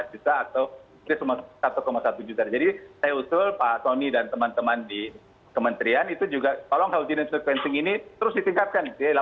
tapi kalau misalnya itu pak tony dan teman teman di kementerian itu juga kalau whole genome sequencing ini terus ditingkatkan